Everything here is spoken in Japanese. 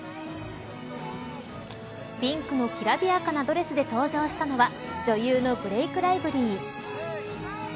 ピンクのきらびやかなドレスで登場したのは女優のブレイク・ライブリー